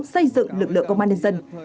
xây dựng lực lượng công an nhân dân